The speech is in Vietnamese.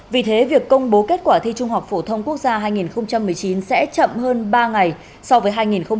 vì thế việc công bố kết quả thi trung học phổ thông quốc gia hai nghìn một mươi chín sẽ chậm hơn ba ngày so với hai nghìn một mươi tám